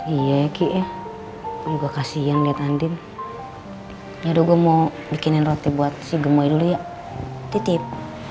iya ya ki ya juga kasihan lihat andin ya udah gue mau bikinin roti buat si gemui dulu ya titip